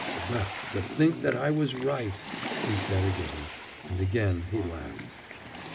"Well! to think that I was right!" he said again, and again he laughed.